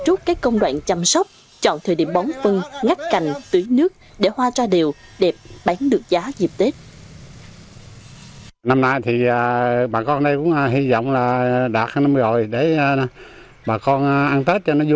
trúc các công đoạn chăm sóc chọn thời điểm bón phân ngắt cành tưới nước để hoa ra đều đẹp bán được giá dịp tết